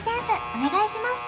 お願いします